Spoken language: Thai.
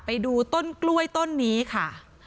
ไปดูต้นกล้วยต้นนี้ค่ะ